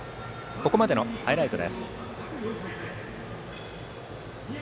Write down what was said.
ここまでのハイライトです。